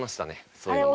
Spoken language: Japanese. そういうのがね。